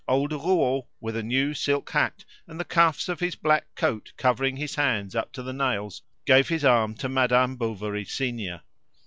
Old Rouault, with a new silk hat and the cuffs of his black coat covering his hands up to the nails, gave his arm to Madame Bovary senior.